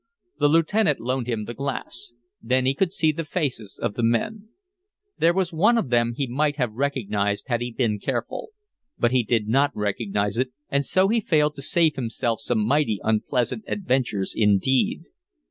The lieutenant loaned him the glass. Then he could see the faces of the men. There was one of them he might have recognized had he been careful; but he did not recognize it, and so he failed to save himself some mighty unpleasant adventures indeed.